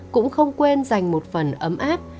cũng không quên dành một phần ấm áp